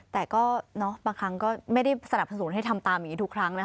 แต่ก็บางครั้งก็ไม่ได้สนับสนุนให้ทำตามอย่างนี้ทุกครั้งนะคะ